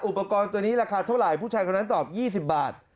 อุปกรณ์ตัวนี้ราคาเท่าไหร่ผู้ชายคนนั้นตอบ๒๐บาท